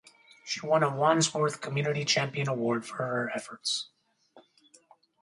She won a Wandsworth Community Champion award for her efforts.